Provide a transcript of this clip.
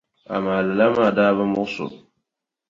Amaa lala maa daa bi muɣisi o.